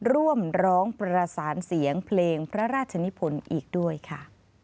ร่วมร้องประสานเสียงเพลงพระราชนิพลอีกด้วยค่ะ